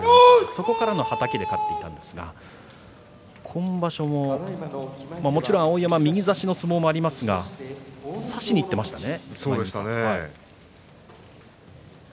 そこからのはたきで勝ったんですが、今場所ももちろん碧山は右差しの相撲もありますが差しにいってましたね。